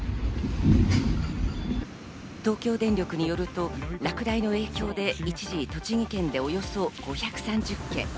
東京電力によると、落雷の影響で一時、栃木県でおよそ５３０軒。